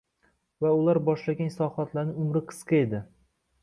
Va ular boshlagan islohotlarning umri qisqa edi.